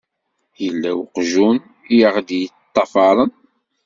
Yella weqjun i aɣ-d-yeṭṭafaren.